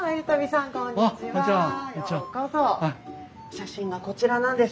写真がこちらなんです。